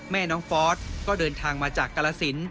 แม่น้องฟอสก็เดินทางมาจากกรสิน